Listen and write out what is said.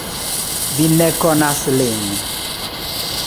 Vi ne konas lin.